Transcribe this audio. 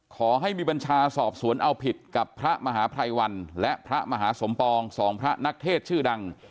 ขอให้มีบัญชาสอบสวนเอาผิดกับพระมหาภัยวันและพระมหาสมปองสองพระนักเทศชื่อดัง